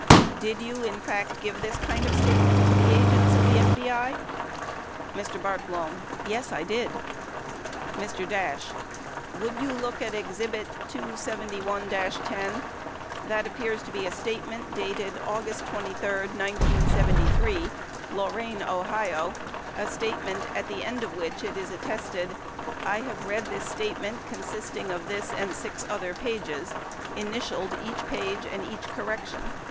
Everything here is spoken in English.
Did you, in fact, give this kind of statement to the agents of the FBI ? Mr. Bartlome. Yes, I did. Mr. Dash. Would you look at exhibit 271 10? This appears to be a statement dated August 23, 1973, Lorain, Ohio, a statement at the end of which it is attested : "I have read the statement consisting of this and six other pages. Initialed each page and each correction.